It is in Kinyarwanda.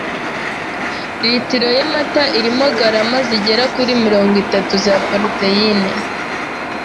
Litiro y'amata irimo garama zigera kuri mirongo itatu za poroteyine.